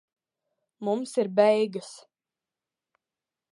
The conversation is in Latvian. Mums ir beigas.